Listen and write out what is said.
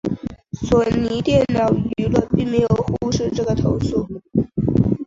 索尼电脑娱乐并没有忽略这个投诉。